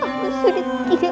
aku sudah berhenti